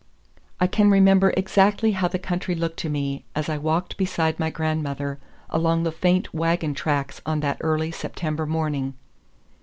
I can remember exactly how the country looked to me as I walked beside my grandmother along the faint wagon tracks on that early September morning.